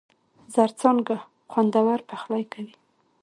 زرڅانگه! خوندور پخلی کوي.